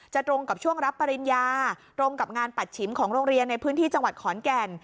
ตรงกับช่วงรับปริญญาตรงกับงานปัดฉิมของโรงเรียนในพื้นที่จังหวัดขอนแก่น